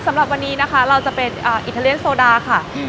สำหรับวันนี้นะคะเราจะเป็นอิตาเลียนโซดาค่ะ